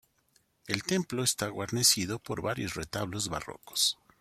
El templo está guarnecido por varios retablos barrocos.